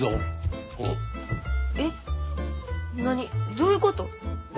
どういうこと？